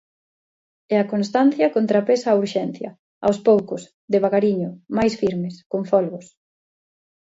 E a constancia contrapesa a urxencia; aos poucos, devagariño, mais firmes, con folgos.